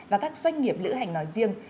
và các doanh nghiệp lữ hành nói riêng